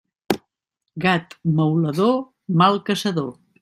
Gat maulador, mal caçador.